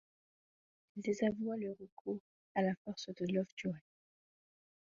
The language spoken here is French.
Il désavoua le recours à la force de Lovejoy.